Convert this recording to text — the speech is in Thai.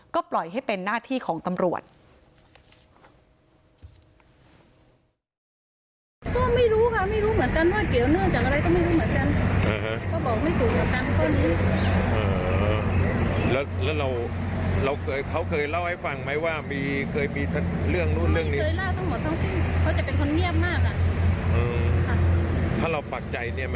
ก็ปล่อยให้เป็นหน้าที่ของตำรวจ